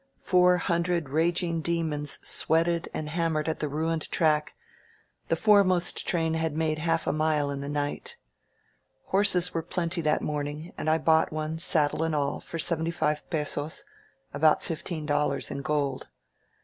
Four hun dred raging demons sweated and hammered at the ruined track ; the foremost train had made half a mile in the night. Horses were plenty that morning, and I bought one, saddle and all, for seventy five pesos — 236 AN OUTPOST IN ACTION about fifteen dollars in gold.